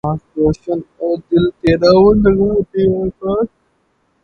دماغ روشن و دل تیرہ و نگہ بیباک